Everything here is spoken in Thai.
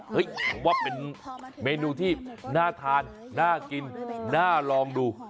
ผมว่าเป็นเมนูที่น่าทานน่ากินน่าลองดู